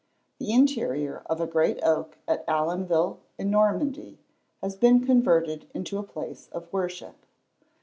The interior of a great oak at Allonville, in Normandy, has been converted into a place of worship.